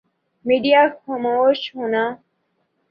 media خاموش ہونا